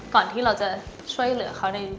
ก่อนที่เราจะช่วยเหลือเขาใน